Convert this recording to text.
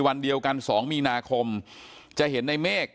วันเดียวกัน๒มีนาคมจะเห็นในเมฆ